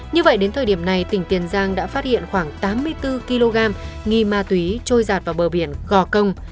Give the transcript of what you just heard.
như vậy đến thời điểm này tỉnh tiền giang đã phát hiện khoảng tám mươi bốn kg nghi ma túy trôi giạt vào bờ biển gò công